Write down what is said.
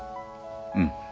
うん。